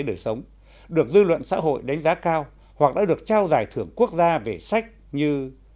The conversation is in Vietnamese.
đời sống được dư luận xã hội đánh giá cao hoặc đã được trao giải thưởng quốc gia về sách như